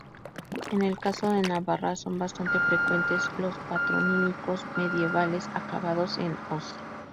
En el caso de Navarra son bastante frecuentes los patronímicos medievales acabados en "-oz".